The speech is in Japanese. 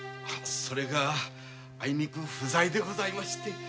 それがあいにく不在でございまして。